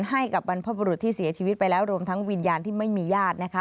ให้กับบรรพบรุษที่เสียชีวิตไปแล้วรวมทั้งวิญญาณที่ไม่มีญาตินะคะ